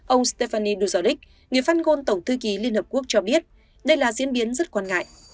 ông stefanin duzadek người phát ngôn tổng thư ký liên hợp quốc cho biết đây là diễn biến rất quan ngại